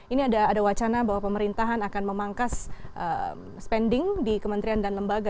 ini ada wacana bahwa pemerintahan akan memangkas spending di kementerian dan lembaga